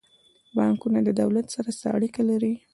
بانکونه د دولت سره څه اړیکه لري؟